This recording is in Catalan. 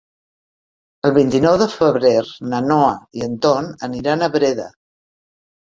El vint-i-nou de febrer na Noa i en Ton aniran a Breda.